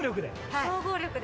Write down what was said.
総合力で。